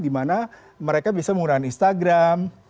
dimana mereka bisa menggunakan instagram